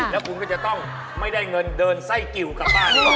แล้วคุณก็จะต้องไม่ได้เงินเดินไส้กิวกลับบ้านเลย